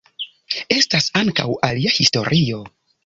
Estas ankaŭ alia historio.